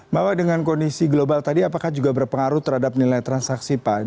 bahwa dengan kondisi global tadi apakah juga berpengaruh terhadap nilai transaksi pak